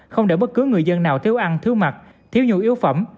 không để bất cứ người dân nào thiếu ăn thiếu mặt thiếu nhu yếu phẩm